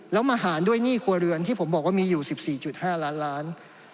แล้วมาหารด้วยหนี้ครัวเรือนที่ผมบอกว่ามีอยู่๑๔๕ล้านล้าน